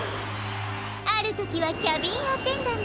あるときはキャビンアテンダント。